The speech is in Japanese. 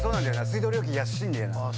水道料金安いんだよな。